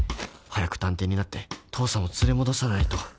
早く探偵になって父さんを連れ戻さないと